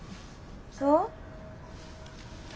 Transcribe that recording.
そう？